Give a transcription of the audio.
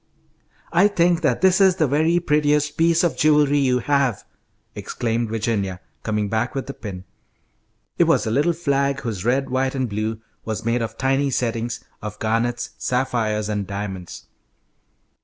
"I think that this is the very prettiest piece of jewelry you have," exclaimed Virginia, coming back with the pin. It was a little flag whose red, white, and blue was made of tiny settings of garnets, sapphires, and diamonds.